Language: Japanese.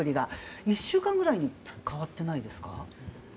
１週間ぐらいに変わっていないですか？